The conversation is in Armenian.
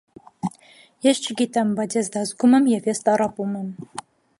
Ես չգիտեմ, բայց ես դա զգում եմ, և ես տառապում եմ։